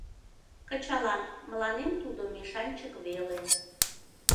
Кычалам, мыланем тудо мешанчык веле...